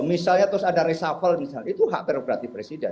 misalnya terus ada resafel itu hak prerogatif presiden